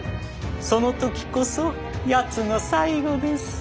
その時こそやつの最期です。